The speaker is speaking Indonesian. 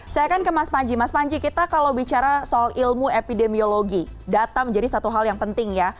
saya akan ke mas panji mas panji kita kalau bicara soal ilmu epidemiologi data menjadi satu hal yang penting ya